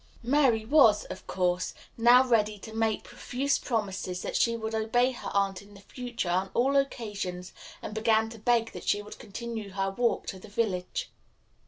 Mary was, of course, now ready to make profuse promises that she would obey her aunt in future on all occasions and began to beg that she would continue her walk to the village.